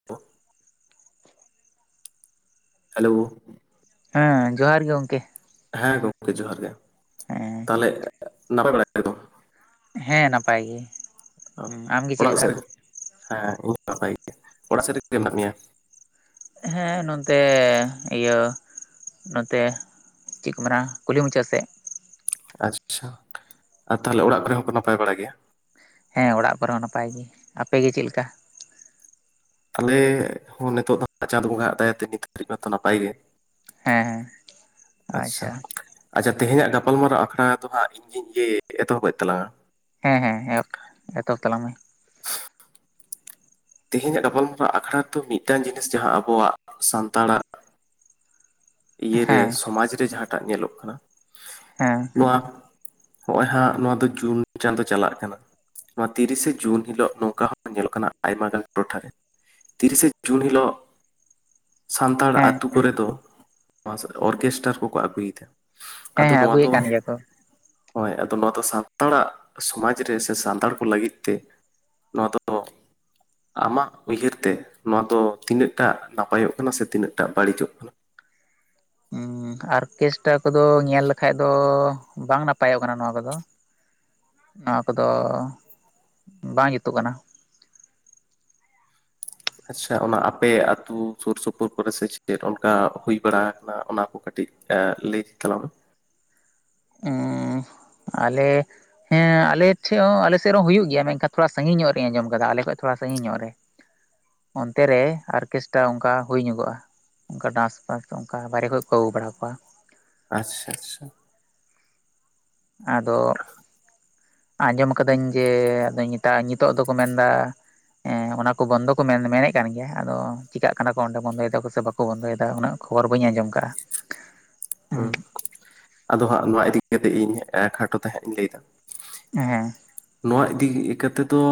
[inaudible] Hello. ᱦᱮᱸ, ᱡᱚᱦᱟᱨ ᱜᱮ ᱜᱚᱝᱠᱮ᱾ ᱦᱮᱸ ᱜᱚᱝᱠᱮ ᱡᱚᱦᱟᱨ ᱜᱮ, ᱦᱮᱸ ᱛᱟᱦᱚᱞᱮ ᱱᱟᱯᱟᱭ [unintelligible] ᱦᱮᱸ ᱱᱟᱯᱟᱭ ᱜᱮ, ᱩᱸ ᱟᱢᱜᱮ ᱪᱮᱜ ᱚᱲᱟᱜ ᱞᱮᱠᱟ? ᱥᱮᱫ ᱦᱮᱸ ᱤᱧ ᱦᱚᱸ ᱱᱟᱯᱟᱭ ᱜᱮ, ᱚᱲᱟᱜ ᱥᱮᱫ ᱨᱮᱜᱮ ᱢᱮᱱᱟᱜ ᱢᱮᱭᱟ? ᱦᱮᱸ, ᱱᱚᱱᱛᱮ ᱤᱭᱟᱹ ᱱᱚᱛᱮ ᱪᱤᱜ ᱠᱚ ᱢᱮᱱᱟ? ᱠᱩᱞᱦᱤ ᱢᱩᱪᱟᱹᱜ ᱥᱮᱜ᱾ [unintelligible] ᱟ ᱛᱟᱦᱚᱞᱮ ᱚᱲᱟᱜ ᱠᱚᱨᱮ ᱦᱚᱸᱠᱚ ᱱᱟᱯᱟᱭ ᱵᱟᱲᱟ ᱜᱮᱭᱟ? ᱦᱮᱸ, ᱚᱲᱟᱜ ᱠᱚᱨᱮ ᱦᱚᱸ ᱱᱟᱯᱟᱭ ᱜᱮ, ᱟᱯᱮ ᱜᱮ ᱪᱮᱜ ᱞᱮᱠᱟ? ᱟᱞᱮ ᱦᱚᱸ ᱱᱤᱛᱚᱜ ᱫᱚ ᱪᱟᱸᱫᱽ ᱵᱚᱸᱜᱟᱣᱟᱜ ᱫᱟᱭᱟ ᱛᱮ ᱱᱤᱛᱜ [inaudible] ᱢᱟᱛᱚ ᱱᱟᱯᱟᱭ ᱜᱮ᱾ ᱦᱮᱸ ᱦᱮᱸ ᱟᱥᱥᱟ᱾ ᱟᱪᱪᱷᱟ ᱟᱪᱪᱷᱟ ᱛᱮᱦᱮᱧᱟᱜ ᱜᱟᱯᱟᱞᱢᱟᱨᱟᱣ ᱟᱠᱷᱲᱟ ᱫᱚ ᱦᱟᱸᱜ ᱤᱧ ᱜᱤᱧ ᱤᱭᱮᱜ ᱮᱛᱚᱦᱚᱯᱮᱜ ᱛᱞᱟᱝᱟ᱾ ᱦᱮᱸ ᱦᱮᱸ ᱮᱛᱚᱦᱚᱯ ᱮᱛᱚᱦᱚᱵ ᱛᱟᱞᱟᱝ ᱢᱮ᱾ ᱛᱮᱦᱤᱧᱟᱜ ᱜᱟᱯᱟᱞᱢᱟᱨᱟ ᱟᱠᱷᱲᱟ ᱫᱚ ᱢᱤᱜᱴᱟᱝ ᱡᱤᱱᱤᱥ ᱡᱟᱦᱟᱸ ᱟᱵᱚᱣᱟᱜ ᱥᱟᱱᱛᱟᱲᱟᱜ ᱤᱭᱟᱹ ᱨᱮ ᱦᱮᱸ ᱥᱚᱢᱟᱡ ᱨᱮ ᱡᱟᱦᱟᱸᱴᱟᱜ ᱧᱮᱞᱚᱜ ᱠᱟᱱᱟ᱾ ᱦᱮᱸ᱾ ᱱᱚᱣᱟ ᱦᱚᱼᱚᱭ ᱦᱟᱸᱜ ᱱᱚᱣᱟ ᱫᱚ ᱡᱩᱱ ᱪᱟᱸᱫᱚ ᱪᱟᱞᱟᱜ ᱠᱟᱱᱟ᱾ ᱱᱚᱣᱟ ᱛᱤᱨᱤᱥᱮ ᱡᱩᱱ ᱦᱤᱞᱳᱜ ᱱᱚᱝᱠᱟ ᱦᱚᱸ ᱧᱮᱞᱚᱜ ᱠᱟᱱᱟ ᱟᱭᱢᱟ ᱜᱟᱱ ᱴᱚᱴᱷᱟ ᱨᱮ᱾ ᱛᱤᱨᱤᱥᱮ ᱡᱩᱱ ᱦᱤᱞᱳᱜ ᱥᱟᱱᱛᱟᱲ ᱦᱮᱸ ᱟᱛᱩ ᱠᱚᱨᱮ ᱫᱚ᱾ [unintelligible] ᱚᱨᱠᱮᱥᱴᱟᱨ ᱠᱚᱠᱚ ᱟᱹᱜᱩᱭ ᱫᱟ, ᱦᱮᱸ ᱟᱫᱚ ᱦᱮᱸ ᱱᱚᱣᱟ ᱫᱚ ᱟᱹᱜᱩᱭᱮᱫ ᱠᱟᱱ ᱜᱮᱭᱟ ᱠᱚ ᱦᱳᱭ, ᱟᱫᱚ ᱱᱚᱣᱟ ᱫᱚ ᱥᱟᱱᱛᱟᱲᱟᱜ ᱥᱚᱢᱟᱡᱽ ᱨᱮ ᱥᱮ ᱥᱟᱱᱛᱟᱲ ᱠᱚ ᱞᱟᱹᱜᱤᱫ ᱛᱮ ᱱᱚᱣᱟ ᱫᱚ ᱟᱢᱟᱜ ᱩᱭᱦᱟᱹᱨ ᱛᱮ ᱱᱚᱣᱟ ᱫᱚ ᱛᱤᱱᱟᱹᱜ ᱴᱟ ᱱᱟᱯᱟᱭᱚᱜ ᱠᱟᱱᱟ ᱥᱮ ᱛᱤᱱᱟᱹᱜ ᱴᱟ ᱵᱟᱹᱲᱤᱡᱚᱜ ᱠᱟᱱᱟ? ᱩᱸ ᱟᱨᱠᱮᱥᱴᱟ ᱠᱚᱫᱚ ᱧᱮᱞ ᱞᱮᱠᱷᱟᱡ ᱫᱚ ᱵᱟᱝ ᱱᱟᱯᱟᱭᱚᱜ ᱠᱟᱱᱟ ᱱᱚᱣᱟ ᱠᱚᱫᱚ᱾ ᱱᱚᱣᱟ ᱠᱚᱫᱚ ᱵᱟᱝ ᱡᱩᱛᱩᱜ ᱠᱟᱱᱟ᱾ ᱟᱪᱪᱷᱟ ᱚᱱᱟ ᱟᱯᱮ ᱟᱛᱩ ᱥᱳᱨ ᱥᱳᱯᱳᱨ ᱠᱚᱨᱮ ᱥᱮ ᱪᱮᱫ ᱚᱱᱠᱟ ᱦᱩᱭ ᱵᱟᱲᱟ ᱠᱟᱱᱟ ᱚᱱᱟ ᱠᱚ ᱠᱟᱹᱴᱤᱡ ᱮ ᱞᱟᱹᱭ ᱛᱟᱞᱟᱝ ᱢᱮ᱾ ᱩᱸ [inaudible] ᱟᱞᱮ ᱦᱮᱸ ᱟᱞᱮ ᱴᱷᱮᱡ ᱦᱚᱸ ᱟᱞᱮᱥᱮᱜ ᱨᱮ ᱦᱩᱭᱩᱜ ᱜᱮᱭᱟ ᱢᱮᱱᱠᱷᱟᱱ ᱛᱷᱚᱲᱟ ᱥᱟᱺᱜᱤᱧ ᱧᱚᱜ ᱨᱮᱧ ᱟᱸᱡᱚᱢ ᱠᱟᱫᱟ ᱟᱞᱮ ᱠᱷᱚᱡ ᱛᱷᱚᱲᱟ ᱥᱟᱺᱤᱧ ᱧᱚᱜ ᱨᱮ᱾ [inaudible] ᱚᱱᱛᱮ ᱨᱮ ᱟᱨᱠᱮᱥᱴᱟ ᱚᱝᱠᱟ ᱦᱳᱭ ᱧᱚᱜᱚᱜᱼᱟ᱾ ᱚᱝᱠᱟ ᱰᱟᱸᱥ ᱯᱟᱥ ᱫᱚ ᱚᱝᱠᱟ ᱵᱟᱦᱨᱮ ᱠᱷᱚᱡ ᱠᱚ ᱟᱹᱜᱩ ᱵᱟᱲᱟ ᱠᱚᱣᱟ᱾ ᱟᱥᱥᱟ ᱟᱥᱥᱟ᱾ ᱟᱫᱚ, ᱟᱸᱡᱚᱢ ᱠᱟᱹᱫᱟᱹᱧ ᱡᱮ ᱟᱫᱚ ᱧᱮᱛᱟ-ᱧᱤᱛᱚᱜ ᱫᱚᱠᱚ ᱢᱮᱱ ᱫᱟ ᱮᱸ ᱚᱱᱟ ᱠᱚ ᱵᱚᱱᱫᱚ ᱠᱚ ᱢᱮᱱ ᱢᱮᱱᱮᱜ ᱠᱟᱱ ᱜᱮᱭᱟ, ᱟᱫᱚ ᱪᱮᱠᱟᱜ ᱠᱟᱱᱟ ᱠᱚ ᱚᱸᱰᱮ ᱵᱚᱱᱫᱚᱭ ᱫᱟᱠᱚ ᱥᱮ ᱵᱟ ᱠᱚ ᱵᱚᱱᱫᱚᱭ ᱫᱟ ᱩᱱᱟᱹᱜ ᱠᱷᱚᱵᱚᱨ ᱵᱟᱹᱧ ᱟᱸᱡᱚᱢ ᱠᱟᱼᱟ᱾ ᱦᱩᱸ ᱟᱫᱚ ᱦᱟᱸᱜ ᱱᱚᱣᱟ ᱤᱫᱤ ᱠᱟᱛᱮ ᱤᱧ ᱦᱟᱸᱜ ᱠᱷᱟᱴᱚ ᱛᱮᱦᱟᱸᱜ ᱤᱧ ᱞᱟᱹᱭ ᱛᱟᱞᱟᱝᱼᱟ ᱾ ᱦᱮᱸ ᱦᱮᱸ ᱱᱚᱣᱟ ᱤᱫᱤ ᱠᱮᱛᱮ ᱫᱚ,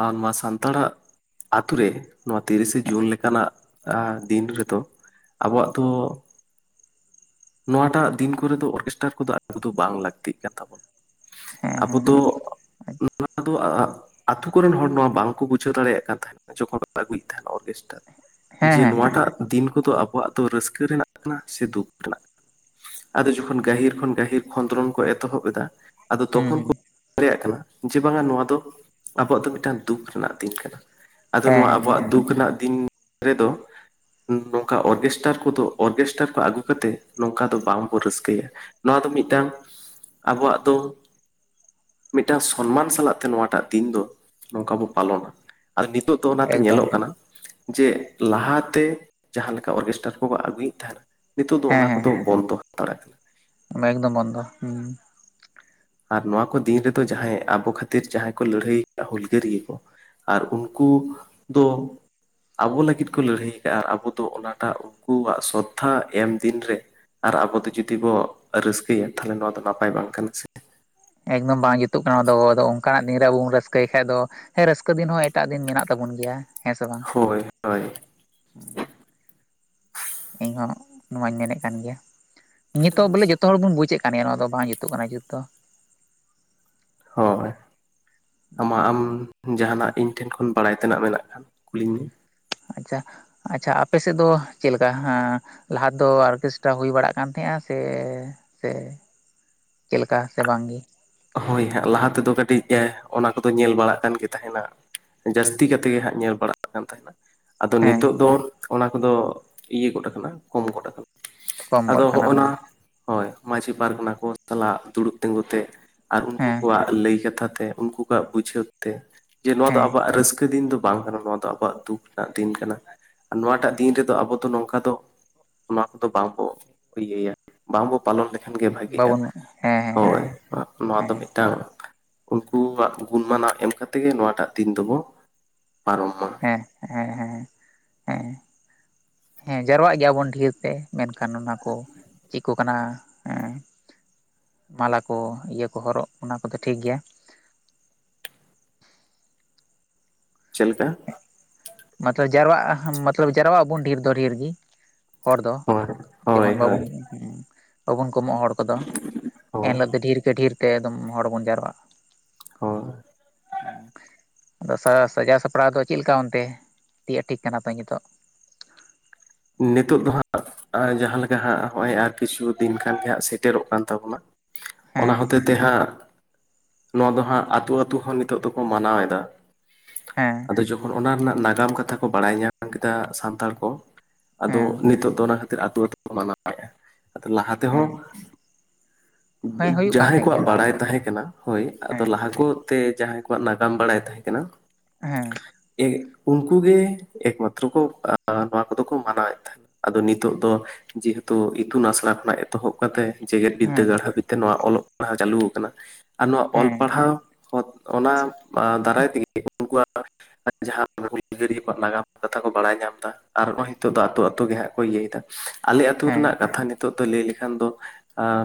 ᱟᱨ ᱥᱟᱱᱛᱟᱲᱟᱜᱼᱼ ᱟᱹᱛᱩ ᱨᱮ, ᱱᱚᱣᱟ ᱛᱤᱨᱤᱥᱮ ᱡᱩᱱ ᱞᱮᱠᱟᱱᱟᱜ ᱟ ᱫᱤᱱ ᱨᱮᱫᱚ ᱟᱵᱚᱣᱟᱜ ᱫᱚᱼᱼ ᱱᱚᱣᱟᱴᱟᱜ ᱫᱤᱱ ᱠᱚᱨᱮ ᱫᱚ ᱚᱨᱜᱮᱥᱴᱟᱨ ᱠᱚᱫᱚ ᱟᱜᱩ ᱫᱚ ᱵᱟᱝ ᱞᱟᱹᱠᱛᱤᱜ ᱠᱟᱱ ᱛᱟᱵᱚᱱᱟ ᱦᱮᱸ ᱾ ᱟᱵᱚ ᱦᱮᱸ ᱫᱚᱼᱼ ᱟᱫᱚ ᱟᱛᱩ ᱠᱚᱨᱮᱱ ᱦᱚᱲ ᱱᱚᱣᱟ ᱵᱟᱝᱠᱚ ᱵᱩᱡᱷᱟᱹᱣ ᱫᱟᱲᱮᱭᱟᱜ ᱠᱟᱱ ᱛᱟᱸᱦᱮᱫ ᱡᱚᱠᱷᱚᱱ ᱠᱚ ᱟᱹᱜᱩᱭᱮᱫ ᱛᱟᱸᱦᱮᱫ ᱚᱨᱠᱮᱥᱴᱟᱨ ᱦᱮᱸ ᱡᱮ ᱦᱮᱸ ᱦᱮᱸ ᱦᱮᱸ ᱱᱚᱣᱟᱴᱟᱜ ᱫᱤᱱ ᱠᱚᱫᱚ ᱟᱵᱚᱣᱟᱜ ᱫᱚ ᱨᱟᱹᱥᱠᱟᱹ ᱨᱮᱱᱟᱜ ᱠᱟᱱᱟ ᱥᱮ ᱫᱩᱠ ᱨᱮᱱᱟᱜ ᱠᱟᱱᱟ ᱾ ᱟᱫᱚ ᱡᱚᱠᱷᱚᱱ ᱜᱟᱹᱦᱤᱨ ᱠᱷᱚᱱ ᱜᱟᱹᱦᱤᱨ ᱠᱷᱚᱸᱫᱽᱨᱚᱝ ᱠᱚ ᱮᱛᱚᱦᱚᱵ ᱮᱫᱟ, ᱟᱫᱚ ᱛᱚᱠᱷᱚᱱ ᱠᱚ ᱵᱩᱡᱽ ᱫᱟᱨᱮᱭᱟᱜ ᱠᱟᱱᱟ ᱡᱮ ᱵᱟᱝᱟ ᱱᱚᱣᱟ ᱫᱚ ᱟᱵᱚᱣᱟᱜ ᱫᱚ ᱢᱤᱫᱴᱟᱝ ᱫᱩᱠ ᱨᱮᱱᱟᱜ ᱫᱤᱱ ᱠᱟᱱᱟ ᱾ ᱟᱫᱚ ᱦᱮᱸ ᱦᱮᱸ ᱱᱚᱣᱟ ᱦᱮᱸ ᱟᱵᱚᱣᱟᱜ ᱫᱩᱠᱼᱼ ᱫᱩᱠ ᱨᱮᱱᱟᱜ ᱫᱤᱱ ᱨᱮᱫᱚᱼᱼ ᱱᱚᱝᱠᱟ ᱚᱨᱜᱮᱥᱴᱟᱨ ᱠᱚᱫᱚ ᱚᱨᱜᱮᱥᱴᱟᱨ ᱠᱚ ᱟᱹᱜᱩ ᱠᱟᱛᱮᱫ ᱱᱚᱝᱠᱟ ᱫᱚ ᱵᱟᱝᱵᱚ ᱨᱟᱹᱥᱠᱟᱹᱭᱟ ᱾ ᱱᱚᱣᱟ ᱫᱚ ᱢᱤᱫᱴᱟᱝ ᱟᱵᱚᱣᱟᱜ ᱫᱚᱼᱼ ᱢᱤᱫᱴᱟᱝ ᱥᱚᱱᱢᱟᱱ ᱥᱟᱞᱟᱜ ᱛᱮ ᱱᱚᱣᱟᱴᱟᱜ ᱫᱤᱱ ᱫᱚ ᱱᱚᱝᱠᱟ ᱵᱚ ᱯᱟᱞᱚᱱᱟ ᱾ ᱟᱨ ᱱᱤᱛᱚᱜ ᱫᱚ ᱚᱱᱟᱛᱮ ᱮᱠᱫᱚᱢ ᱧᱮᱞᱚᱜ ᱠᱟᱱᱟ, ᱡᱮ ᱞᱟᱦᱟᱛᱮ ᱡᱟᱦᱟᱸ ᱞᱮᱠᱟ ᱚᱨᱜᱮᱥᱴᱟᱨ ᱠᱚᱵᱚ ᱟᱹᱜᱩᱭᱮᱫ ᱛᱟᱸᱦᱮᱫ ᱱᱤᱛᱚᱜ ᱫᱚ ᱦᱮᱸ ᱚᱱᱟ ᱦᱮᱸ ᱠᱚᱫᱚᱼᱼ ᱵᱚᱱ ᱫᱚ ᱦᱟᱛᱟᱲ ᱠᱟᱱᱟ ᱮᱠᱫᱚᱢ ᱵᱚᱱᱫᱚ ᱦᱩᱸ ᱟᱨ ᱱᱚᱣᱟ ᱠᱚ ᱫᱤᱱ ᱨᱮᱫᱚ ᱡᱟᱦᱟᱸᱭ ᱟᱵᱚ ᱠᱷᱟᱹᱛᱤᱨ ᱡᱟᱦᱟᱸᱭ ᱠᱚ ᱞᱟᱹᱲᱦᱟᱹᱭ ᱟᱠᱟᱫᱟ ᱦᱩᱞᱜᱟᱹᱨᱤᱭᱟᱹ ᱠᱚ, ᱟᱨ ᱩᱱᱠᱩ ᱫᱚᱼᱼ ᱟᱵᱚ ᱞᱟᱹᱜᱤᱫ ᱠᱚ ᱞᱟᱹᱲᱦᱟᱹᱭ ᱟᱠᱟᱜᱼᱟ ᱟᱵᱚ ᱫᱚ ᱚᱱᱟᱴᱟᱜ ᱩᱱᱠᱩᱣᱟᱜ ᱥᱨᱫᱷᱟ ᱮᱢ ᱫᱤᱱ ᱨᱮᱼᱼ ᱟᱨ ᱟᱵᱚ ᱫᱚ ᱡᱩᱫᱤ ᱵᱚ ᱨᱟᱹᱥᱠᱟᱹᱭᱟ ᱛᱟᱞᱦᱮ ᱱᱚᱣᱟ ᱫᱚ ᱱᱟᱯᱟᱭ ᱵᱟᱝ ᱠᱟᱱᱟ ᱥᱮ ᱾ ᱮᱠᱫᱚᱢ ᱵᱟᱝ ᱡᱩᱛᱩᱜ ᱠᱟᱱᱟ ᱟᱫᱚ ᱚᱱᱠᱟᱱᱟᱜ ᱫᱤᱱᱨᱮ ᱟᱵᱚ ᱵᱚᱱ ᱨᱟᱹᱥᱠᱟᱹᱭ ᱠᱷᱟᱡ ᱫᱚ, ᱦᱮᱸ ᱨᱟᱹᱥᱠᱟᱹ ᱫᱤᱱ ᱦᱚᱸ ᱮᱴᱟᱜ ᱫᱤᱱ ᱢᱮᱱᱟᱜ ᱛᱟᱵᱚᱱ ᱜᱮᱭᱟ ᱾ ᱦᱮᱸᱥᱮ ᱵᱟᱝ? ᱦᱳᱭ ᱦᱳᱭ ᱤᱧ ᱦᱚᱸ ᱱᱚᱣᱟᱧ ᱢᱮᱱᱮᱫ ᱠᱟᱱ ᱜᱮᱭᱟ, ᱱᱤᱛᱚᱜ ᱵᱚᱞᱮ ᱡᱷᱚᱛᱼᱼ ᱡᱚᱛᱚ ᱦᱚᱲ ᱵᱚᱱ ᱵᱩᱡᱮᱫ ᱠᱟᱱ ᱜᱮᱭᱟ ᱱᱚᱣᱟ ᱫᱚ ᱵᱟᱝ ᱡᱩᱛᱩᱜ ᱠᱟᱱᱟ ᱡᱩᱛ ᱫᱚ ᱾ ᱦᱚᱭ ᱟᱢᱟᱜ ᱟᱢ ᱡᱟᱦᱟᱱᱟᱜ ᱤᱧ ᱴᱷᱮᱱ ᱠᱷᱚᱱ ᱵᱟᱲᱟᱭ ᱛᱮᱱᱟᱜ ᱢᱮᱱᱟᱜ ᱠᱷᱟᱱ ᱠᱩᱞᱤᱧ ᱢᱮ ᱾ ᱟᱪᱪᱷᱟ ᱟᱪᱪᱷᱟ ᱟᱯᱮᱥᱮᱫ ᱫᱚ ᱪᱮᱫᱞᱮᱠᱟ ᱦᱟᱸ ᱞᱟᱦᱟ ᱫᱚ ᱚᱨᱠᱮᱥᱴᱨᱟ ᱦᱩᱭ ᱵᱟᱲᱟᱜ ᱠᱟᱱ ᱛᱟᱸᱦᱮᱫ-ᱟ ᱥᱮ ᱥᱮ ᱪᱮᱫ ᱞᱮᱠᱟ ᱥᱮ ᱵᱟᱝ ᱜᱮ ᱦᱳᱭ ᱦᱟᱸᱜ ᱞᱟᱦᱟ ᱛᱮᱫᱚ ᱠᱟᱹᱴᱤᱡ ᱮᱸ ᱚᱱᱟ ᱠᱚᱫᱚ ᱧᱮᱞ ᱵᱟᱲᱟᱜ ᱠᱟᱱ ᱜᱮ ᱛᱟᱦᱮᱱᱟ ᱾ ᱡᱟᱹᱥᱛᱤ ᱠᱟᱛᱮ ᱜᱮ ᱦᱟᱸᱜ ᱧᱮᱞ ᱵᱟᱲᱟᱜᱼᱼ ᱛᱟᱦᱮᱱᱟ, ᱟᱫᱚ ᱦᱮᱸ ᱱᱤᱛᱚᱜ ᱫᱚ ᱚᱱᱟ ᱠᱚᱫᱚ ᱤᱭᱟᱹ ᱜᱚᱫ ᱟᱠᱟᱱᱟ ᱠᱚᱢ ᱜᱚᱫ ᱟᱠᱟᱱᱟ ᱠᱚᱢ ᱾ ᱟᱫᱚ ᱜᱚᱫ ᱠᱟᱱᱟ ᱦᱚᱜᱼᱚᱭ ᱱᱟ ᱵᱚᱱ ᱦᱚᱭ ᱢᱟᱹᱡᱷᱤ ᱯᱟᱨᱜᱟᱱᱟ ᱠᱚ ᱥᱟᱞᱟᱜ ᱫᱩᱲᱩᱵ ᱛᱤᱸᱜᱩ ᱛᱮᱼᱼ ᱟᱨ ᱩᱱᱠᱩ ᱦᱮᱸ ᱠᱚᱣᱟᱜ ᱞᱟᱹᱭ ᱠᱟᱛᱷᱟ ᱛᱮ ᱩᱱᱠᱩ ᱠᱚᱣᱟᱜ ᱵᱩᱡᱷᱟᱹᱣ ᱛᱮ, ᱡᱮ ᱱᱚᱣᱟ ᱫᱚ ᱦᱮᱸ ᱟᱵᱚᱣᱟᱜ ᱨᱟᱹᱥᱠᱟᱹ ᱫᱤᱱ ᱫᱚᱼᱼ ᱵᱟᱝ ᱠᱟᱱᱟ ᱱᱚᱣᱟ ᱫᱚ ᱟᱵᱚᱣᱟᱜ ᱫᱩᱠ ᱨᱮᱱᱟᱜ ᱫᱤᱱ ᱠᱟᱱᱟ, ᱟᱨ ᱱᱚᱣᱟᱴᱟᱜ ᱫᱤᱱ ᱨᱮᱫᱚ ᱟᱵᱚ ᱫᱚ ᱱᱚᱝᱠᱟ ᱫᱚ ᱚᱱᱟ ᱠᱚᱫᱚ ᱵᱟᱝ ᱠᱚ ᱤᱭᱟᱹᱭᱟ ᱾ ᱵᱟᱝᱵᱚ ᱯᱟᱞᱚᱱ ᱞᱮᱠᱷᱟᱱᱜᱮ ᱵᱷᱟᱹᱜᱤᱜᱼᱟ, ᱵᱟᱵᱚᱱ ᱦᱮᱸ ᱦᱮᱸ ᱦᱮᱸ ᱦᱚᱭ ᱱᱚᱣᱟ ᱫᱚ ᱦᱮᱸ ᱢᱤᱫᱼᱼ ᱴᱟᱝ ᱩᱱᱠᱩᱣᱟᱜ ᱜᱩᱱᱢᱟᱱᱟᱜ ᱮᱢ ᱠᱟᱛᱮ ᱜᱮ ᱱᱚᱣᱟᱴᱟᱜ ᱫᱤᱱ ᱫᱚᱵᱚ ᱯᱟᱨᱚᱢ ᱢᱟ ᱾ ᱦᱮᱸ ᱦᱮᱸ ᱦᱮᱸ ᱦᱮᱸ [inaudible] ᱦᱮᱸ ᱡᱟᱨᱚᱣᱟᱜ ᱜᱮᱭᱟᱵᱚᱱ ᱰᱷᱮᱨᱛᱮ ᱢᱮᱱᱠᱷᱟᱱ ᱚᱱᱟ ᱠᱚ ᱪᱮᱫ ᱠᱚ ᱠᱟᱱᱟ, ᱦᱮᱸ ᱢᱟᱞᱟ ᱠᱚ ᱤᱭᱟᱹ ᱠᱚ ᱦᱚᱨᱚᱜ ᱚᱱᱟ ᱠᱚᱫᱚ ᱴᱷᱤᱠ ᱜᱮᱭᱟ। ᱪᱮᱫ ᱞᱮᱠᱟ? ᱢᱚᱛᱞᱚᱵ ᱡᱟᱨᱣᱟᱜ ᱢᱚᱛᱞᱚᱵ ᱡᱟᱨᱣᱟᱜ ᱟᱵᱚᱱ ᱰᱷᱤᱨ ᱫᱚ ᱰᱷᱤᱨ ᱜᱤ। ᱦᱚᱲ ᱫᱚ ᱦᱳᱭ ᱦᱳᱭ ᱡᱮᱢᱚᱱ ᱦᱳᱭ ᱵᱟᱵᱚᱱ ᱵᱟᱵᱚᱱ ᱠᱚᱢᱚᱜ-ᱟ ᱦᱚᱲ ᱠᱚᱫᱚ, ᱦᱳᱭ ᱮᱱᱦᱤᱞᱚᱜ ᱫᱚ ᱰᱷᱤᱨ ᱠᱮ ᱰᱷᱤᱨ ᱛᱮ ᱮᱫᱚᱢ ᱦᱚᱲ ᱵᱚᱱ ᱡᱟᱨᱣᱟᱜᱼᱟ। ᱦᱳᱭ। ᱟᱫᱚ ᱥᱟᱡᱟᱣ ᱥᱟᱯᱲᱟᱣ ᱫᱚ ᱪᱮᱫ ᱞᱮᱠᱟ ᱚᱱᱛᱮ? ᱛᱤ ᱟᱴᱷᱤᱠ ᱠᱟᱱᱟ ᱛᱚ ᱱᱤᱛᱚᱜ। ᱱᱤᱛᱚᱜ ᱫᱚ ᱦᱟᱸᱜ ᱡᱟᱸᱦᱟ ᱞᱮᱠᱟ ᱦᱟᱸᱜ ᱱᱚᱜᱼᱚᱭ ᱟᱨ ᱠᱤᱪᱷᱩ ᱫᱤᱱ ᱠᱷᱟᱱ ᱜᱮ ᱦᱟᱸᱜ ᱥᱮᱴᱮᱨᱚᱜ ᱠᱟᱱ ᱛᱟᱵᱚᱱᱟ ᱾ ᱚᱱᱟ ᱦᱮᱸ ᱦᱚᱛᱮ ᱛᱮ ᱦᱟᱸᱜ ᱱᱚᱣᱟ ᱫᱚ ᱦᱟᱸᱜ ᱟᱛᱩ ᱟᱛᱩ ᱦᱚᱸ ᱱᱤᱛᱚᱜ ᱫᱚᱠᱚ ᱢᱟᱱᱟᱣ ᱮᱫᱟ। ᱦᱮᱸ। ᱟᱫᱚ ᱡᱚᱠᱷᱚᱱ ᱚᱱᱟ ᱨᱮᱱᱟᱜ ᱱᱟᱜᱟᱢ ᱠᱟᱛᱷᱟ ᱠᱚ ᱵᱟᱲᱟᱭ ᱧᱟᱢ ᱠᱮᱫᱟ ᱥᱟᱱᱛᱟᱲ ᱠᱚ ᱟᱫᱚ ᱦᱮᱸ ᱱᱤᱛᱚᱜ ᱫᱚ ᱚᱱᱟ ᱠᱷᱟᱹᱛᱤᱨ ᱟᱹᱛᱩ ᱟᱹᱛᱩ ᱵᱚᱱ ᱢᱟᱱᱟᱣᱮᱫᱼᱟ ᱾ ᱟᱫᱚ ᱞᱟᱦᱟ ᱛᱮᱦᱚᱸ ᱦᱮᱸ ᱦᱮᱸ ᱦᱩᱭᱩᱜ ᱠᱟᱱ ᱡᱟᱸᱦᱟᱭ ᱛᱟᱦᱮᱸᱫ ᱠᱚᱣᱟᱜ ᱜᱮᱭᱟ ᱞᱟᱦᱟ ᱵᱟᱲᱟᱭ ᱦᱮᱸ ᱛᱟᱸᱦᱮ ᱠᱟᱱᱟ ᱦᱳᱭ, ᱟᱫᱚ ᱦᱮᱸ ᱞᱟᱦᱟ ᱠᱚ ᱛᱮ ᱡᱟᱸᱦᱟᱭ ᱠᱚᱣᱟᱜ ᱱᱟᱜᱟᱢ ᱵᱟᱲᱟᱭ ᱛᱟᱸᱦᱮ ᱠᱟᱱᱟ। ᱦᱮᱸ। ᱮ ᱩᱱᱠᱩ ᱜᱮ ᱮᱠᱢᱟᱛᱨᱚ ᱠᱚ ᱟ ᱱᱚᱣᱟ ᱠᱚᱫᱚ ᱠᱚ ᱠᱚ ᱢᱟᱱᱟᱣ ᱮᱫ ᱛᱟᱸᱦᱮᱫ᱾ ᱟᱫᱚ ᱱᱤᱛᱚᱜ ᱫᱚ ᱡᱮᱦᱮᱛᱩ ᱤᱛᱩᱱ ᱟᱥᱲᱟ ᱠᱷᱚᱱᱟᱜ ᱮᱛᱚᱦᱚᱵ ᱠᱟᱛᱮ ᱡᱮᱜᱮᱫ ᱦᱮᱸ ᱵᱤᱫᱽᱫᱟᱹᱜᱟᱲ ᱦᱟᱹᱵᱤᱡ ᱛᱮ ᱱᱚᱣᱟ ᱚᱞᱚᱜ ᱯᱟᱲᱦᱟᱣ ᱪᱟᱹᱞᱩ ᱟᱠᱟᱱᱟ। ᱟᱨ ᱱᱚᱣᱟ ᱚᱞ ᱦᱮᱸ ᱯᱟᱲᱦᱟᱣ, ᱚᱱᱟ ᱫᱟᱨᱟᱭ ᱛᱮᱜᱮ ᱩᱱᱠᱩᱣᱟᱜ ᱟᱨ ᱡᱟᱸᱦᱟ ᱦᱩᱞ ᱜᱟᱹᱨᱤᱭᱟ ᱠᱚᱣᱟᱜ ᱱᱟᱜᱟᱢ ᱠᱟᱛᱷᱟ ᱠᱚ ᱵᱟᱲᱟᱭ ᱧᱟᱢ ᱮᱫᱟ ᱟᱨ ᱦᱚᱸᱜ-ᱚᱭ ᱱᱤᱛᱚᱜ ᱫᱚ ᱟᱹᱛᱩ ᱟᱹᱛᱩ ᱜᱮ ᱦᱟᱸᱜ ᱠᱚ ᱤᱭᱟᱹᱭᱮᱫᱟ, ᱟᱞᱮ ᱟᱹᱛᱩ ᱦᱮᱸ ᱨᱮᱱᱟᱜ ᱠᱟᱛᱷᱟ ᱱᱤᱛ ᱱᱤᱛᱚᱜ ᱫᱚ ᱞᱟᱹᱭ ᱞᱮᱠᱷᱟᱱ ᱫᱚ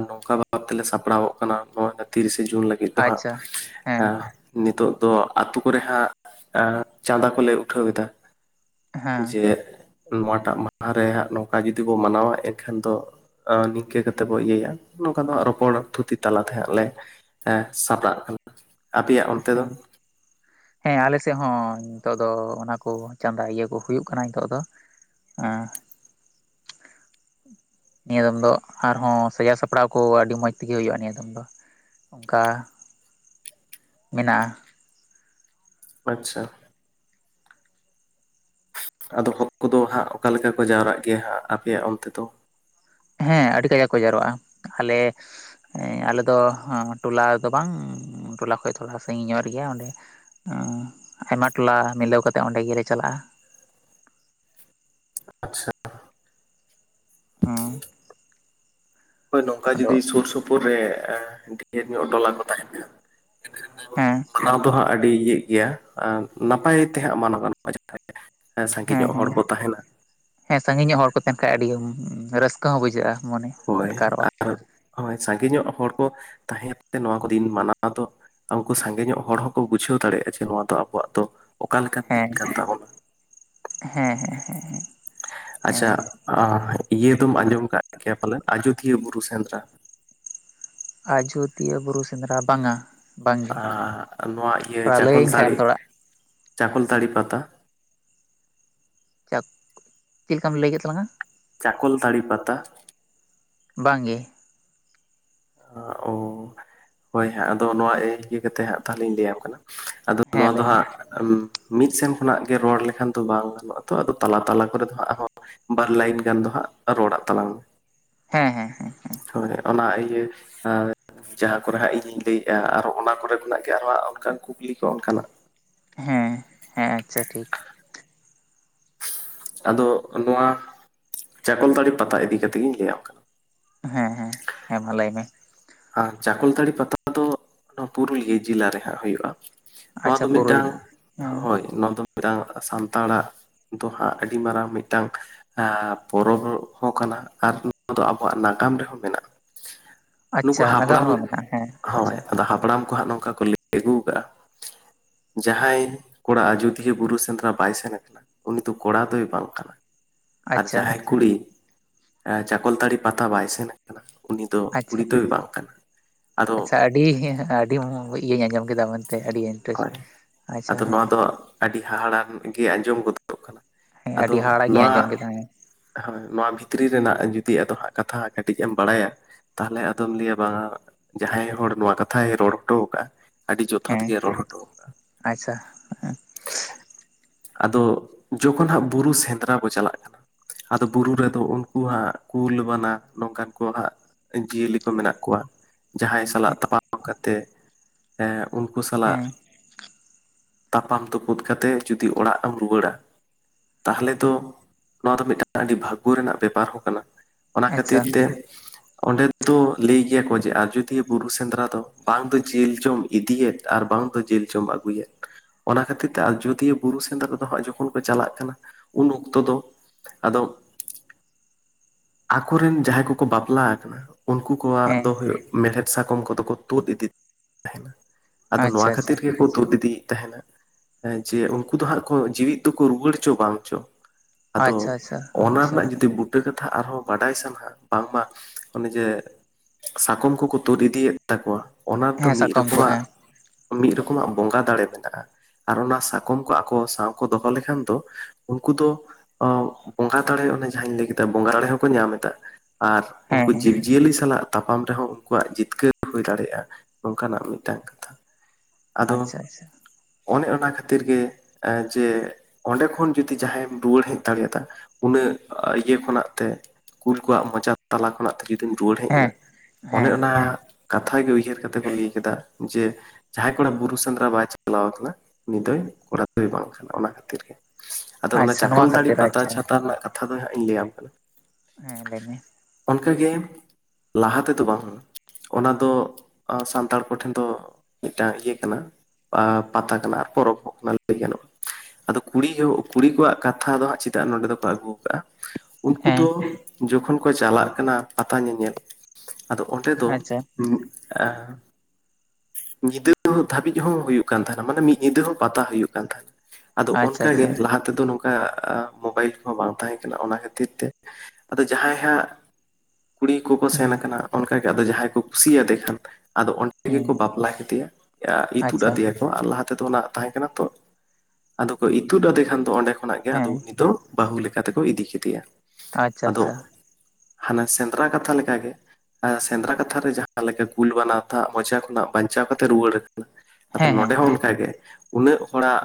ᱱᱚᱝᱠᱟ ᱵᱷᱟᱵ ᱛᱮᱞᱮ ᱥᱟᱯᱲᱟᱣᱚᱜ ᱠᱟᱱᱟ ᱱᱚᱣᱟ ᱛᱤᱨᱤᱥᱮ ᱡᱩᱱ ᱞᱟᱹᱜᱤᱫ। ᱱᱤᱛ ᱫᱚ ᱦᱟᱸᱜ ᱟᱪᱪᱷᱟ ᱦᱮᱸ [inaudible] ᱮᱸ ᱱᱤᱛᱚᱜ ᱫᱚ ᱟᱛᱩ ᱠᱚᱨᱮ ᱦᱟᱸᱜ ᱮᱸᱜ ᱪᱟᱸᱫᱟ ᱠᱚᱞᱮ ᱩᱴᱷᱟᱹᱣ ᱮᱫᱟ। ᱦᱮᱸ ᱡᱮ ᱦᱮᱸ ᱱᱚᱣᱟᱴᱟᱜ ᱢᱟᱦᱟ ᱨᱮ ᱦᱟᱜ ᱱᱚᱝᱠᱟ ᱡᱩᱫᱤ ᱵᱚ ᱢᱟᱱᱟᱣᱟ ᱮᱱᱠᱷᱟᱱ ᱫᱚ ᱱᱤᱝᱠᱟᱹ ᱠᱟᱛᱮᱫ ᱵᱚ ᱤᱭᱟᱹᱭᱟ, ᱱᱚᱝᱠᱟ ᱫᱚ ᱦᱟᱜ ᱨᱚᱯᱚᱲ ᱛᱷᱩᱛᱤ ᱛᱟᱞᱟ ᱛᱮᱦᱟᱜ ᱞᱮ ᱦᱮᱸ ᱥᱟᱯᱲᱟᱜ ᱠᱟᱱᱟ, ᱟᱯᱮᱭᱟᱜ ᱚᱱᱛᱮ ᱫᱚ? ᱦᱮᱸ ᱟᱞᱮ ᱥᱮᱫ ᱦᱚᱸ ᱱᱤᱛᱚᱜ ᱫᱚ ᱚᱱᱟ ᱠᱚ ᱪᱟᱸᱫᱟ ᱤᱭᱟᱹ ᱠᱚ ᱦᱩᱭᱩᱜ ᱠᱟᱱᱟ ᱱᱤᱛᱚᱜ ᱫᱚ। ᱮᱸ ᱱᱤᱭᱟᱹ ᱫᱚᱢ ᱫᱚ ᱟᱨᱦᱚᱸ ᱥᱟᱡᱟᱣ ᱥᱟᱯᱲᱟᱣ ᱠᱚ ᱟᱹᱰᱤ ᱢᱚᱸᱡᱽ ᱛᱮᱜᱮ ᱦᱩᱭᱩᱜ-ᱟ ᱱᱤᱭᱟ ᱫᱚᱢ ᱫᱚ [unintelligible] ᱚᱱᱠᱟ ᱢᱮᱱᱟᱜᱼᱟ। ᱟᱪᱪᱷᱟ। ᱟᱫᱚ ᱦᱚᱲ ᱠᱚᱫᱚ ᱦᱟᱸᱜ ᱚᱠᱟ ᱞᱮᱠᱟ ᱠᱚ ᱡᱟᱣᱨᱟᱜ ᱜᱮᱭᱟ ᱦᱟᱸᱜ ᱟᱯᱮᱭᱟᱜ ᱚᱱᱛᱮ ᱫᱚ? ᱦᱮᱸ ᱟᱹᱰᱤ ᱠᱟᱡᱟᱠ ᱠᱚ ᱡᱟᱨᱣᱟᱜᱼᱟ, ᱟᱞᱮ ᱮᱸ ᱟᱞᱮ ᱫᱚ ᱴᱚᱞᱟ ᱨᱮ ᱫᱚ ᱵᱟᱝ ᱴᱚᱞᱟ ᱠᱷᱚᱱ ᱛᱷᱚᱲᱟ ᱥᱟᱹᱜᱤᱧ ᱧᱚᱜ ᱨᱮᱜᱮ, ᱚᱸᱰᱮ ᱦᱩᱸ, ᱟᱭᱢᱟ ᱴᱚᱞᱟ ᱢᱤᱞᱟᱹᱣ ᱠᱟᱛᱮᱜ ᱚᱸᱰᱮ ᱜᱮᱞᱮ ᱪᱟᱞᱟᱜᱼᱟ। ᱟᱪᱪᱷᱟ। ᱦᱩᱸ। ᱦᱳᱭ, ᱱᱚᱝᱠᱟ ᱡᱩᱫᱤ ᱥᱩᱨ ᱥᱩᱯᱩᱨ ᱨᱮ ᱰᱷᱮᱨ ᱧᱚᱜ ᱴᱚᱞᱟ ᱠᱚ ᱛᱟᱦᱮᱱ ᱦᱮᱸ ᱠᱷᱟᱱ ᱚᱱᱟ ᱫᱚ ᱦᱟᱸᱜ ᱟᱹᱰᱤ ᱤᱭᱟᱹᱜ ᱜᱮᱭᱟ, ᱱᱟᱯᱟᱭ ᱛᱮ ᱦᱟᱸᱜ ᱢᱟᱱᱚᱜ ᱜᱟᱱᱚᱜ [unintelligible] ᱦᱮᱸ, ᱥᱟᱸᱜᱤ ᱧᱚᱜ ᱦᱚᱲ ᱠᱚ ᱛᱟᱸᱦᱮᱱ ᱦᱮᱸ ᱥᱟᱹᱜᱤ ᱧᱚᱜ ᱦᱚᱲ ᱠᱚ ᱛᱟᱸᱦᱮᱱ ᱠᱷᱟᱱ ᱟᱹᱰᱤ ᱨᱟᱹᱥᱠᱟᱹ ᱦᱚᱸ ᱵᱩᱡᱷᱟᱹᱜᱼᱟ ᱢᱚᱱᱮ। ᱦᱳᱭ ᱟᱴᱠᱟᱨᱚᱜᱼᱟ ᱟᱨ ᱦᱳᱭ ᱥᱟᱸᱜᱮ ᱧᱚᱜ ᱦᱚᱲ ᱠᱚ ᱛᱟᱸᱦᱮ ᱛᱮ ᱱᱚᱣᱟ ᱠᱚ ᱫᱤᱱ ᱢᱟᱱᱟᱣᱟ ᱫᱚ ᱩᱱᱠᱩ ᱥᱟᱸᱜᱮ ᱧᱚᱜ ᱦᱚᱲ ᱦᱚᱸᱠᱚ ᱵᱩᱡᱷᱟᱹᱣ ᱫᱟᱲᱮᱭᱟᱜᱼᱟ ᱡᱮ, ᱱᱚᱣᱟ ᱫᱚ ᱟᱵᱚᱣᱟᱜ ᱫᱚ ᱚᱠᱟᱞᱮᱠᱟᱱ ᱫᱤᱠ ᱦᱮᱸ ᱠᱟᱱ ᱛᱟᱵᱚᱱᱟ। ᱦᱮᱸ ᱦᱮᱸ ᱦᱮᱸ। ᱟᱪᱪᱷᱟ ᱦᱮᱸ ᱟᱸ ᱤᱭᱟᱹ ᱫᱚᱢ ᱟᱸᱡᱚᱢ ᱟᱠᱟᱫ ᱜᱮᱭᱟ ᱯᱟᱞᱮᱫ ᱟᱡᱚᱫᱤᱭᱟᱹ ᱵᱩᱨᱩ ᱥᱮᱸᱫᱽᱨᱟ? ᱟᱡᱚᱫᱤᱭᱟᱹ ᱵᱩᱨᱩ ᱥᱮᱸᱫᱽᱨᱟ ᱵᱟᱝ-ᱟ ᱵᱟᱝᱜᱮ, ᱟᱸ, ᱱᱚᱣᱟ ᱤᱭᱟᱹ ᱛᱷᱚᱲᱟ ᱞᱟᱹᱭᱟᱹᱧ ᱠᱷᱟᱡ ᱮᱢ ᱪᱟᱠᱚᱞᱛᱟᱹᱲᱤ ᱛᱷᱚᱲᱟ ᱾ ᱪᱟᱠᱚᱞᱛᱟᱹᱲᱤ ᱯᱟᱛᱟ ᱾ [unintelligible] ᱪᱮᱫ ᱞᱮᱠᱟᱢ ᱞᱟᱹᱭ ᱠᱮᱫ ᱛᱟᱞᱟᱝᱼᱟ? ᱪᱟᱠᱚᱞ ᱛᱟᱹᱲᱤ ᱯᱟᱛᱟ᱾ ᱵᱟᱝ ᱜᱮ᱾ ᱚ ᱦᱳᱭ ᱦᱟᱸᱜ ᱟᱫᱚ ᱱᱚᱣᱟ ᱮᱭᱮᱠ ᱤᱫᱤ ᱠᱟᱛᱮ ᱦᱟᱸᱜ ᱛᱟᱦᱚᱞᱮᱧ ᱞᱮᱭᱟᱢ ᱠᱟᱱᱟ᱾ ᱟᱫᱚ ᱦᱮᱸ ᱱᱚᱣᱟ ᱫᱚ ᱞᱟᱹᱭ ᱢᱮ ᱦᱟᱸᱜ ᱟᱢ ᱢᱤᱫ ᱥᱮᱱ ᱠᱷᱚᱱᱟᱜ ᱜᱮ ᱨᱚᱲ ᱞᱮᱠᱷᱟᱱ ᱫᱚ ᱵᱟᱝ ᱜᱟᱱᱚᱜᱼᱟ ᱛᱚ ᱟᱫᱚ ᱛᱟᱞᱟ ᱛᱟᱞᱟ ᱠᱚᱨᱮ ᱫᱚ ᱦᱟᱸᱜ ᱟᱨᱦᱚ ᱵᱟᱨ ᱞᱟᱭᱤᱱ ᱜᱟᱱ ᱫᱚᱦᱟᱸᱜ ᱨᱚᱲᱟᱜ ᱛᱟᱞᱟᱝ ᱢᱮ᱾ ᱦᱮᱸ ᱦᱮᱸ ᱦᱮᱸ ᱦᱮᱸ ᱦᱳᱭ ᱚᱱᱟ ᱤᱭᱟᱹ ᱟᱨ ᱡᱟᱦᱟᱸ ᱠᱚᱨᱮ ᱦᱟᱸᱜ ᱤᱧᱤᱧ ᱞᱟᱹᱭᱮ-ᱟ ᱟᱨᱦᱚ ᱚᱱᱟ ᱠᱚᱨᱮ ᱠᱷᱚᱱᱟᱜ ᱜᱮ ᱟᱨᱦᱚ ᱚᱱᱠᱟᱱ ᱠᱩᱠᱞᱤ ᱠᱚ ᱚᱱᱠᱟᱱᱟᱜ᱾ ᱦᱮᱸ, ᱦᱮᱸ ᱟᱪᱪᱷᱟ ᱴᱷᱤᱠ᱾ ᱟᱫᱚ ᱱᱚᱣᱟ ᱪᱟᱠᱚᱞ ᱫᱟᱲᱤ ᱯᱟᱛᱟ ᱤᱫᱤ ᱠᱟᱛᱮ ᱜᱤᱧ ᱞᱟᱹᱭᱟᱢ ᱠᱟᱱᱟ᱾ ᱦᱮᱸ ᱦᱮᱸ ᱦᱮᱸ ᱵᱷᱟ ᱞᱟᱹᱭ ᱢᱮ‍? ᱟᱨ ᱪᱟᱠᱚᱞᱛᱟᱹᱲᱤ ᱯᱟᱛᱟ ᱫᱚ ᱱᱚᱣᱟ ᱯᱩᱨᱩᱞᱤᱭᱟᱹ ᱡᱮᱞᱟ ᱨᱮ ᱦᱟᱸᱜ ᱦᱩᱭᱩᱜᱼᱟ ᱾ ᱱᱚᱣᱟ ᱫᱚ ᱟᱪᱪᱷᱟ ᱯᱩᱨᱩᱞ ᱢᱤᱫᱴᱟᱝ, ᱦᱮᱸ ᱦᱳᱭ ᱱᱚᱣᱟ ᱫᱚ ᱢᱤᱫᱴᱟᱝ ᱥᱟᱱᱛᱟᱲᱟᱜ ᱫᱚᱦᱟᱸᱜ ᱟᱹᱰᱤ ᱢᱟᱨᱟᱝ ᱢᱤᱫᱴᱟᱝ ᱯᱚᱨᱚᱵᱽ ᱦᱚᱸ ᱠᱟᱱᱟ ᱟᱨ ᱱᱚᱣᱟ ᱫᱚ ᱟᱵᱚᱣᱟᱜ ᱱᱟᱜᱟᱢ ᱨᱮᱦᱚᱸ ᱢᱮᱱᱟᱜᱼᱟ ᱾ ᱱᱩᱠᱩ ᱟᱪᱪᱷᱟ ᱱᱟᱜᱟᱢ ᱦᱟᱯᱲᱟᱢ ᱨᱮᱦᱚᱸ ᱢᱮᱱᱟᱜᱼᱟ ᱦᱮᱸ ᱦᱳᱭ ᱟᱪᱪᱷᱟ ᱟᱫᱚ ᱦᱟᱯᱲᱟᱢ ᱠᱚ ᱦᱟᱸᱜ ᱱᱚᱝᱠᱟ ᱠᱚ ᱞᱟᱹᱭ ᱟᱹᱜᱩ ᱠᱟᱜᱼᱟ᱾ ᱡᱟᱦᱟᱸᱭ ᱠᱚᱲᱟ ᱟᱡᱚᱫᱤᱭᱟᱹ ᱵᱩᱨᱩ ᱥᱮᱸᱫᱽᱨᱟ ᱵᱟᱭ ᱥᱮᱱ ᱟᱠᱟᱱᱟ ᱩᱱᱤ ᱫᱚ ᱠᱚᱲᱟ ᱫᱚᱭ ᱵᱟᱝ ᱠᱟᱱᱟ᱾ ᱟᱪᱪᱷᱟ ᱡᱟᱦᱟᱸᱭ ᱠᱩᱲᱤ ᱪᱟᱠᱚᱞᱛᱟᱹᱲᱤ ᱯᱟᱛᱟ ᱵᱟᱭ ᱥᱮᱱ ᱠᱟᱱᱟ ᱩᱱᱤ ᱫᱚ ᱟᱪᱪᱷᱟ ᱠᱩᱲᱤ ᱵᱟᱝ ᱠᱟᱱᱟ᱾ ᱟᱫᱚ ᱟᱪᱪᱷᱟ ᱟᱹᱰᱤ ᱟᱹᱰᱤ ᱤᱭᱟᱹᱧ ᱟᱸᱡᱚᱢ ᱠᱮᱫᱟ᱾ ᱢᱮᱱ ᱛᱮ ᱟᱹᱰᱤ ᱤᱱᱴᱟᱨᱮᱥᱴ ᱦᱳᱭ ᱟᱪᱪᱷᱟ ᱟᱫᱚ ᱱᱚᱣᱟ ᱦᱮᱸ ᱫᱚ ᱟᱹᱰᱤ ᱦᱟᱦᱟᱲᱟᱢ ᱜᱮ ᱟᱸᱡᱚᱢ ᱜᱚᱫᱚᱜ ᱫᱚᱜ ᱠᱟᱱᱟ᱾ ᱦᱮᱸ ᱟᱫᱚ ᱟᱹᱰᱤ ᱦᱟᱦᱟᱲᱟᱜ ᱜᱤᱧ ᱱᱟᱣᱟ ᱟᱸᱡᱚᱢ ᱠᱮᱫᱟ ᱦᱮᱸ ᱦᱳᱭ ᱱᱚᱣᱟ ᱵᱷᱤᱛᱨᱤ ᱨᱮᱱᱟᱜ ᱡᱩᱫᱤ ᱟᱫᱚ ᱦᱟᱸᱜ ᱠᱟᱛᱷᱟ ᱠᱟᱹᱴᱤᱡ ᱮᱢ ᱵᱟᱲᱟᱭᱟ, ᱛᱟᱦᱚᱞᱮ ᱟᱫᱚᱢ ᱞᱟᱹᱭᱟ ᱵᱟᱝ ᱡᱟᱦᱟᱸᱭ ᱦᱚᱲ ᱱᱚᱣᱟ ᱠᱟᱛᱷᱟᱭ ᱨᱚᱲ ᱦᱚᱴᱚ ᱟᱠᱟᱼᱟ, ᱟᱹᱰᱤ ᱡᱚᱛ ᱦᱮᱸ ᱨᱚᱲ ᱟᱪᱪᱷᱟ ᱦᱚᱴᱚᱠᱟᱜ-ᱟ᱾ ᱟᱫᱚ ᱡᱚᱠᱷᱚᱱ ᱦᱟᱸᱜ ᱵᱩᱨᱩ ᱥᱮᱸᱫᱽᱨᱟ ᱵᱚᱱ ᱪᱟᱞᱟᱜ ᱠᱟᱱᱟ ᱟᱫᱚ ᱵᱩᱨᱩ ᱨᱮ ᱫᱚ ᱩᱱᱠᱩ ᱦᱟᱸᱜ ᱠᱩᱞ ᱵᱟᱱᱟ ᱱᱚᱝᱠᱟᱱ ᱠᱚ ᱦᱟᱸᱜ ᱡᱤᱭᱟᱹᱞᱤ ᱠᱚ ᱢᱮᱱᱟᱜ ᱠᱚᱣᱟ᱾ ᱡᱟᱦᱟᱸᱭ ᱥᱟᱞᱟᱜ ᱦᱮᱸ ᱛᱟᱯᱟᱢ ᱠᱟᱛᱮᱜ ᱮ ᱩᱱᱠᱩ ᱥᱟᱞᱟᱜ ᱛᱟᱯᱟᱢ ᱛᱳᱯᱳᱫ ᱠᱟᱛᱮ ᱡᱩᱫᱤ ᱚᱲᱟᱜ ᱮᱢ ᱨᱩᱣᱟᱹᱲᱟ ᱛᱟᱦᱚᱞᱮ ᱫᱚ ᱱᱚᱣᱟ ᱫᱚ ᱢᱤᱫᱴᱟᱝ ᱟᱹᱰᱤ ᱵᱷᱟᱜᱜᱳ ᱨᱮᱱᱟᱜ ᱵᱮᱯᱟᱨ ᱦᱚᱸ ᱠᱟᱱᱟ᱾ ᱚᱱᱟ ᱟᱪᱪᱷᱟ ᱠᱷᱟᱹᱛᱤᱨ ᱛᱮ ᱚᱸᱰᱮ ᱫᱚ ᱞᱟᱹᱭ ᱜᱮᱭᱟ ᱠᱚ ᱡᱮ ᱟᱡᱚᱫᱤᱭᱟᱹ ᱵᱩᱨᱩ ᱥᱮᱸᱫᱽᱨᱟ ᱫᱚ ᱵᱟᱝ ᱫᱚ ᱡᱤᱞ ᱪᱚᱢ ᱤᱫᱤᱭᱮᱫ ᱟᱨ ᱵᱟᱝ ᱫᱚ ᱡᱤᱞ ᱪᱚᱢ ᱟᱹᱜᱩᱭᱮᱫ ᱚᱱᱟ ᱠᱷᱟᱹᱛᱤᱨ ᱛᱮ ᱟᱡᱳᱫᱤᱭᱟᱹ ᱵᱩᱨᱩ ᱥᱮᱸᱫᱽᱨᱟ ᱠᱚ ᱫᱚ ᱦᱟᱸᱜ ᱡᱚᱠᱷᱚᱱ ᱠᱚ ᱪᱟᱞᱟᱜ ᱠᱟᱱᱟ ᱩᱱ ᱚᱠᱛᱚ ᱫᱚ ᱟᱫᱚ ᱟᱠᱚ ᱨᱮᱱ ᱡᱟᱦᱟᱸᱭ ᱠᱚ ᱠᱚ ᱵᱟᱯᱞᱟ ᱟᱠᱟᱱᱟ ᱩᱱᱠᱩ ᱠᱚᱣᱟᱜ ᱦᱮᱸ ᱫᱚ ᱦᱩᱭᱩᱜ ᱢᱮᱲᱦᱮᱫ ᱥᱟᱠᱟᱢ ᱠᱚᱫᱚ ᱠᱚ ᱛᱳᱫ ᱤᱫᱤ ᱟᱫᱚ ᱟᱪᱪᱷᱟ ᱱᱚᱣᱟ ᱟᱪᱪᱷᱟ ᱠᱷᱟᱹᱛᱤᱨ ᱜᱮ ᱠᱚ ᱛᱳᱫ ᱤᱫᱤᱭᱮᱫ ᱛᱟᱦᱮᱱᱟ ᱦᱮᱸ ᱡᱮ ᱩᱱᱠᱩ ᱫᱚ ᱦᱟᱸᱜ ᱠᱚ ᱡᱤᱣᱮᱫ ᱛᱮᱠᱚ ᱨᱩᱣᱟᱹᱲ ᱪᱚ ᱵᱟᱝ ᱪᱚ᱾ ᱟᱫᱚ ᱟᱪᱪᱷᱟ ᱟᱪᱪᱷᱟ ᱚᱱᱟ ᱟᱪᱪᱷᱟ ᱨᱮᱱᱟᱜ ᱡᱩᱫᱤ ᱵᱩᱴ [unintelligible] ᱠᱟᱛᱷᱟ ᱟᱨ ᱦᱚᱸ ᱵᱟᱰᱟᱭ ᱥᱟᱱᱟ ᱵᱟᱝᱢᱟ ᱚᱱᱮ ᱡᱮ ᱥᱟᱠᱚᱢ ᱠᱚᱠᱚ ᱛᱳᱫ ᱤᱫᱤᱭᱮᱫ ᱛᱟᱠᱚᱣᱟ ᱚᱱᱟ ᱫᱚ ᱦᱮᱸ ᱢᱤᱫ ᱥᱟᱠᱟᱢ ᱠᱚ ᱨᱚᱠᱚᱢᱟᱜ ᱦᱮᱸ ᱢᱤᱫ ᱨᱚᱠᱚᱢᱟᱜ ᱵᱚᱸᱜᱟ ᱫᱟᱲᱮ ᱢᱮᱱᱟᱜᱼᱟ᱾ ᱟᱨ ᱚᱱᱟ ᱥᱟᱠᱚᱢ ᱠᱚ ᱟᱠᱚ ᱥᱟᱶ ᱠᱚ ᱫᱚ ᱦᱚ ᱞᱮᱠᱷᱟᱱ ᱫᱚ ᱩᱱᱠᱩ ᱫᱚ ᱚ ᱵᱚᱸᱜᱟ ᱫᱟᱲᱮ ᱚᱱᱮ ᱡᱟᱦᱟᱸᱧ ᱞᱟᱹᱭ ᱠᱮᱫᱟ ᱵᱚᱸᱜᱟ ᱫᱟᱲᱮ ᱦᱚᱸ ᱠᱚ ᱧᱟᱢ ᱮᱫᱟ ᱟᱨ ᱦᱮᱸ ᱩᱱᱠᱩ ᱦᱮᱸ ᱡᱤᱣᱤ ᱡᱤᱭᱟᱹᱞᱤ ᱥᱟᱞᱟᱜ ᱛᱟᱯᱟᱢ ᱨᱮ ᱦᱚᱸ ᱩᱱᱠᱩᱣᱟᱜ ᱡᱤᱛᱠᱟᱹᱨ ᱦᱳᱭ ᱫᱟᱲᱮᱼᱟ, ᱱᱚᱝᱠᱟᱱᱟᱜ ᱢᱤᱫᱴᱟᱝ ᱠᱟᱛᱷᱟ᱾ ᱟᱫᱚ ᱟᱪᱪᱷᱟ ᱟᱪᱪᱷᱟ ᱚᱱᱮ ᱚᱱᱟ ᱠᱷᱟᱹᱛᱤᱨ ᱜᱮ ᱡᱮ ᱚᱸᱰᱮ ᱠᱷᱚᱱ ᱡᱩᱫᱤ ᱡᱟᱦᱟᱸᱭᱮᱢ ᱨᱩᱣᱟᱹᱲ ᱦᱮᱡ ᱫᱟᱲᱮᱭᱟᱫᱟ᱾ ᱩᱱᱟᱹᱜ ᱤᱭᱟᱹ ᱠᱷᱚᱱᱟᱜ ᱛᱮ ᱠᱩᱞ ᱠᱚᱣᱟᱜ ᱢᱚᱪᱟ ᱛᱟᱞᱟ ᱠᱷᱚᱱᱟᱜᱼᱼ ᱡᱩᱫᱤᱢ ᱨᱩᱣᱟᱹᱲ ᱦᱮᱡ ᱦᱮᱸ ᱮᱱᱟ ᱚᱱᱮ ᱦᱮᱸ ᱚᱱᱟ ᱠᱟᱛᱷᱟ ᱜᱮ ᱩᱭᱦᱟᱹᱨ ᱠᱟᱛᱮ ᱠᱚ ᱞᱟᱹᱭ ᱠᱮᱫᱟ ᱡᱮᱼᱼ ᱡᱟᱦᱟᱸᱭ ᱠᱚᱲᱟ ᱵᱩᱨᱩ ᱥᱮᱸᱫᱽᱨᱟ ᱵᱟᱭ ᱪᱟᱞᱟᱣ ᱠᱟᱱᱟ ᱩᱱᱤ ᱫᱚᱭ ᱠᱚᱲᱟ ᱫᱚᱭ ᱵᱟᱝ ᱠᱟᱱᱟ ᱚᱱᱟ ᱠᱷᱟᱹᱛᱤᱨ ᱜᱮᱼᱼ ᱟᱫᱚ ᱚᱱᱮ ᱟᱪᱪᱷᱟ ᱱᱚᱣᱟ ᱪᱟᱠᱚᱞᱛᱟᱹᱲᱤ ᱠᱷᱟᱹᱛᱤᱨ ᱯᱟᱛᱟ ᱟᱪᱪᱷᱟ ᱪᱷᱟᱛᱟ ᱨᱮᱱᱟᱜ ᱠᱟᱛᱷᱟ ᱫᱚ ᱦᱟᱸᱜ ᱤᱧ ᱞᱟᱹᱭ ᱟᱢ ᱠᱟᱱᱟ᱾ ᱦᱮᱸ ᱞᱟᱹᱭ ᱢᱮ᱾ ᱚᱱᱠᱟ ᱜᱮᱼᱼᱼ ᱞᱟᱦᱟ ᱛᱮ ᱫᱚ ᱵᱟᱝ ᱚᱱᱟ ᱫᱚ ᱥᱟᱱᱛᱟᱲ ᱠᱚ ᱴᱷᱮᱱ ᱫᱚᱼᱼ ᱢᱤᱫᱴᱟᱝ ᱤᱭᱟᱹ ᱠᱟᱱᱟ ᱯᱟᱛᱟ ᱠᱟᱱᱟ ᱯᱚᱨᱚᱵ ᱦᱚᱸ ᱠᱟᱱᱟ ᱞᱟᱹᱭ ᱜᱟᱱᱚᱜᱼᱟ ᱟᱫᱚ ᱠᱩᱲᱤ ᱠᱩᱲᱤ ᱠᱚᱣᱟᱜ ᱠᱟᱛᱷᱟ ᱫᱚ ᱦᱟᱸᱜ ᱪᱮᱫᱟᱜ ᱱᱚᱰᱮ ᱫᱚ ᱠᱚ ᱟᱹᱜᱩ ᱠᱟᱜᱼᱟ ᱩᱱᱠᱩ ᱫᱚ ᱦᱮᱸ ᱡᱚᱠᱷᱚᱱ ᱠᱚ ᱪᱟᱞᱟᱜ ᱠᱟᱱᱟ ᱯᱟᱛᱟ ᱧᱮᱧᱮᱞ ᱟᱫᱚ ᱚᱸᱰᱮ ᱫᱚᱼ ᱟᱪᱪᱷᱟ [unintelligible] ᱧᱤᱫᱟᱹ ᱫᱷᱟᱹᱵᱤᱡ ᱦᱚᱸ ᱦᱩᱭᱩᱜ ᱠᱟᱱ ᱛᱟᱦᱮᱱᱟ ᱢᱟᱱᱮ ᱢᱤᱫ ᱧᱤᱫᱟᱹ ᱦᱚᱸ ᱯᱟᱛᱟ ᱦᱩᱭᱩᱜ ᱠᱟᱱ ᱛᱟᱦᱮᱸᱱᱟ᱾ ᱟᱫᱚ ᱟᱪᱪᱷᱟ ᱚᱱᱠᱟ ᱜᱮ ᱟᱪᱪᱷᱟ ᱞᱟᱦᱟ ᱛᱮ ᱫᱚ ᱱᱚᱝᱠᱟ ᱢᱳᱵᱟᱭᱤᱞ ᱠᱚ ᱦᱚᱸ ᱵᱟᱝ ᱛᱟᱦᱮᱸ ᱠᱟᱱᱟ ᱚᱱᱟ ᱠᱷᱟᱹᱛᱤᱨ ᱛᱮᱼᱼ ᱟᱫᱚ ᱡᱟᱦᱟᱸᱭ ᱦᱟᱸᱜᱼᱼ ᱠᱩᱲᱤ ᱠᱚ ᱠᱚ ᱥᱮᱱ ᱦᱩᱸ ᱟᱠᱟᱱᱟ ᱚᱱᱠᱟ ᱜᱮ ᱟᱫᱚ ᱡᱟᱦᱟᱸᱭ ᱠᱚ ᱠᱩᱥᱤᱭ ᱟᱫᱮ ᱠᱷᱟᱱ ᱟᱫᱚ ᱚᱸᱰᱮ ᱜᱮ ᱦᱩᱸ ᱠᱚ ᱵᱟᱯᱞᱟᱼᱼ ᱞᱟ ᱠᱮᱫᱮᱭᱟ ᱤᱛᱩᱫ ᱟᱪᱪᱷᱟ ᱟᱫᱮᱭᱟ᱾ ᱟᱨ ᱞᱟᱦᱟ ᱛᱮ ᱫᱚ ᱚᱱᱟ ᱛᱟᱦᱮᱸ ᱠᱟᱱᱟ ᱛᱚ ᱟᱫᱚ ᱠᱚ ᱤᱛᱩᱫ ᱟᱫᱮ ᱠᱷᱟᱱ ᱫᱚ ᱚᱸᱰᱮ ᱠᱷᱚᱱᱟᱜ ᱜᱮ ᱟᱫᱚ ᱦᱮᱸ ᱩᱱᱤ ᱫᱚᱼᱼ ᱵᱟᱹᱦᱩ ᱞᱮᱠᱟ ᱛᱮ ᱠᱚ ᱤᱫᱤ ᱠᱮᱫᱮᱭᱟ ᱟᱪᱪᱷᱟ ᱟᱫᱚᱼᱼ ᱟᱪᱪᱷᱟ ᱦᱟᱱᱮ ᱥᱮᱸᱫᱽᱨᱟ ᱠᱟᱛᱷᱟ ᱞᱮᱠᱟᱜᱮ ᱥᱮᱸᱫᱽᱨᱟ ᱠᱟᱛᱷᱟᱨᱮ ᱡᱟᱦᱟᱸ ᱞᱮᱠᱟ ᱠᱩᱞ ᱵᱟᱱᱟᱛᱟᱜ ᱢᱚᱪᱟ ᱠᱷᱚᱱᱟᱜ ᱵᱟᱧᱪᱟᱣ ᱠᱟᱛᱮ ᱨᱩᱣᱟᱹᱲ ᱟᱠᱟᱱᱟ ᱟᱫᱚ ᱦᱮᱸ ᱱᱚᱰᱮ ᱦᱮᱸ ᱦᱚᱸ ᱠᱟᱭ ᱜᱮ ᱩᱱᱟᱹᱜ ᱦᱚᱲᱟᱜ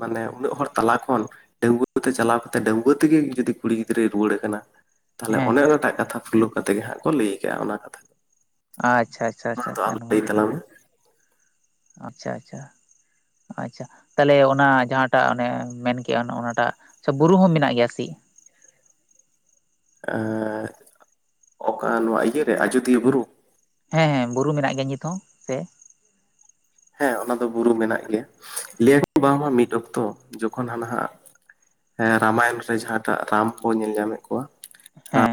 ᱢᱟᱱᱮ ᱩᱱᱟᱹᱜ ᱦᱚᱲ ᱛᱟᱞᱟ ᱠᱷᱚᱱ ᱰᱟᱹᱜᱩᱣᱟᱹ ᱛᱮ ᱪᱟᱞᱟᱣ ᱠᱟᱛᱮᱫ ᱰᱟᱹᱜᱩᱣᱟᱹ ᱛᱮᱜᱮ ᱡᱩᱫᱤ ᱠᱩᱲᱤ ᱜᱤᱫᱽᱨᱟᱹᱭ ᱨᱩᱣᱟᱹᱲ ᱠᱟᱱᱟ ᱛᱟᱦᱞᱮ ᱦᱮᱸ ᱚᱱᱮ ᱚᱱᱟᱴᱟᱜ ᱠᱟᱛᱷᱟ ᱯᱷᱩᱞᱚᱠ ᱠᱟᱛᱮᱜ ᱜᱮ ᱦᱟᱸᱜ ᱠᱚ ᱞᱟᱹᱭ ᱠᱟᱜᱼᱟ ᱚᱱᱟ ᱠᱟᱛᱷᱟ ᱟᱪᱪᱷᱟ ᱟᱪᱪᱷᱟ ᱢᱟ ᱟᱫᱚ ᱟᱪᱷᱟ ᱟᱢ ᱱᱚᱣᱟ ᱞᱟᱹᱭ ᱠᱚ ᱛᱟᱞᱟᱝ ᱢᱮ ᱟᱪᱪᱷᱟ ᱟᱪᱪᱷᱟ ᱟᱪᱷᱟ ᱛᱟᱦᱞᱮ ᱚᱱᱟ ᱡᱟᱦᱟᱸᱴᱟᱜ ᱚᱱᱮ ᱢᱮᱱᱠᱮᱜᱼᱟ ᱚᱱᱮ ᱚᱱᱟᱴᱟᱜ ᱥᱮ ᱵᱩᱨᱩ ᱦᱚᱸ ᱢᱮᱱᱟᱜ ᱜᱮᱭᱟ ᱥᱤ ᱮᱸᱜᱻ ᱚᱠᱟ ᱱᱚᱣᱟ ᱤᱭᱟᱹᱨᱮ ᱟᱡᱚᱫᱤᱭᱟᱹ ᱵᱩᱨᱩ ᱦᱮᱸ ᱦᱮᱸ ᱵᱩᱨᱩ ᱢᱮᱱᱟᱜ ᱜᱮᱭᱟ ᱧᱤᱛ ᱦᱚᱸ ᱥᱮ ᱦᱮᱸ ᱚᱱᱟ ᱫᱚ ᱵᱩᱨᱩ ᱢᱮᱱᱟᱜ ᱜᱮᱭᱟ ᱞᱟᱹᱭ ᱟᱠᱚ ᱵᱟᱝᱢᱟ ᱢᱤᱫ ᱚᱠᱛᱚ ᱡᱚᱠᱷᱚᱱ ᱦᱟᱱᱟ ᱦᱟᱸᱜ ᱦᱮ ᱨᱟᱢᱟᱭᱚᱱ ᱨᱮ ᱡᱟᱦᱟᱸᱴᱟᱜ ᱨᱟᱢ ᱠᱚ ᱧᱮᱞ ᱧᱟᱢᱮᱫ ᱠᱚᱣᱟ ᱨᱟᱢ ᱦᱮᱸ